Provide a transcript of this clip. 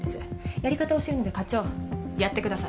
やり方教えるので課長やってください。